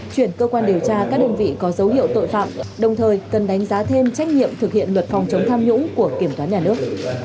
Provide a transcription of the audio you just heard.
chuyển cơ quan điều tra các đơn vị có dấu hiệu tội phạm đồng thời cần đánh giá thêm trách nhiệm thực hiện luật phòng chống tham nhũng của kiểm toán nhà nước